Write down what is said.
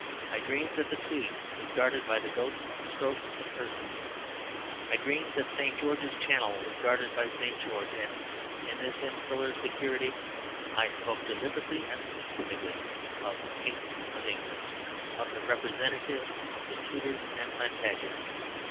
I dreamed that the Tweed was guarded by the ghosts of Scropes and Percys; I dreamed that St. George's Channel was guarded by St. George. And in this insular security I spoke deliberately and specifically of the King of England, of the representative of the Tudors and Plantagenets.